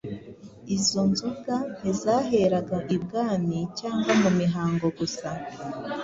Izo nzoga ntizaheraga i bwami cyangwa mu mihango gusa